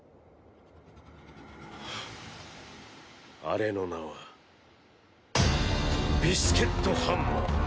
あれの名はビスケットハンマー。